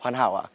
hoàn hảo ạ